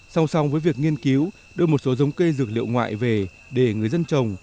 sau sau với việc nghiên cứu đưa một số giống cây dược liệu ngoại về để người dân trồng